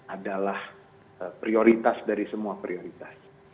adalah prioritas dari semua prioritas